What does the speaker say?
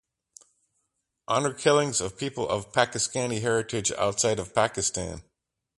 Honour killings of people of Pakistani heritage outside of Pakistan